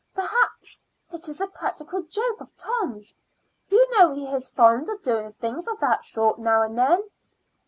Perhaps it is a practical joke of Tom's; you know he is fond of doing things of that sort now and then."